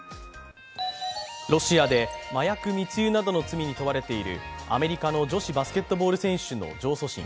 ロシアで麻薬密輸などの罪に問われているアメリカの女子バスケットボール選手の上訴審。